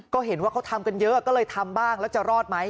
ก็เห็นว่าเขาทำกันเยอะก็เลยทำบ้างแล้วจะรอดไหม